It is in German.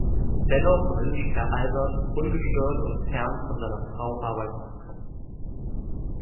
Dennoch wünscht Herr Albert, ungestört und fern von seiner Frau arbeiten zu können.